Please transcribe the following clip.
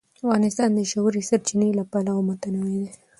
افغانستان د ژورې سرچینې له پلوه متنوع دی.